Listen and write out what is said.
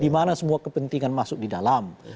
dimana semua kepentingan masuk di dalam